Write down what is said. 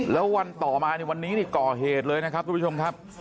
แล้ววันต่อมาในวันนี้นี่ก่อเหตุเลยนะครับทุกผู้ชมครับ